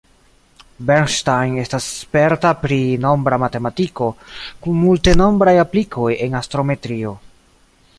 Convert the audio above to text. Bernstein estas sperta pri nombra matematiko, kun multenombraj aplikoj en astrometrio.